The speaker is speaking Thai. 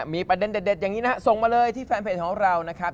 มีประเด็นเด็ดส่งมาเลยที่แฟนเพจของเรานะครับ